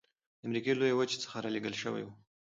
د امریکا لویې وچې څخه رالېږدول شوي وو.